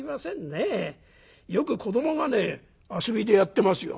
よく子どもがね遊びでやってますよ。